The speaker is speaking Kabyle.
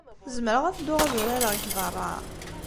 Zemreɣ ad dduɣ ad urareɣ deg beṛṛa?